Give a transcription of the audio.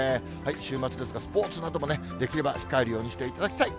週末ですが、スポーツなどもできれば控えるようにしていただきたい。